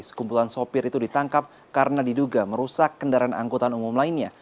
sekumpulan sopir itu ditangkap karena diduga merusak kendaraan angkutan umum lainnya